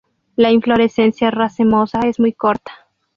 La inflorescencia racemosa es muy corta.